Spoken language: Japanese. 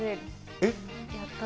えっ？